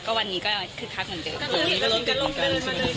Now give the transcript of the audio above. ก็วันนี้ก็คือคักเหมือนเดิน